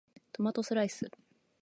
トマトスライス